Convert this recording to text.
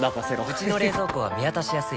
うちの冷蔵庫は見渡しやすい